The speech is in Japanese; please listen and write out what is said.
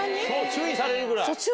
注意されるぐらい。